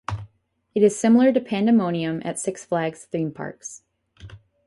It is similar to Pandemonium at Six Flags theme parks.